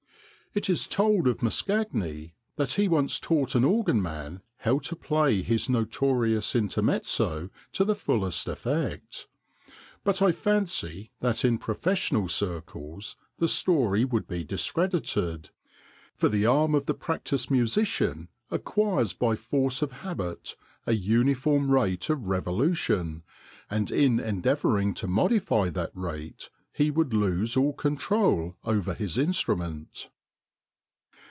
It is told of Mascagni that he once taught an organ man how to play his notorious Inter mezzo to the fullest effect ; but I fancy that in professional circles the story would be discredited, for the arm of the practised musician acquires by force of habit a uniform rate of revolution, and in endeavour ing to modify that rate he would lose all control over his instrument.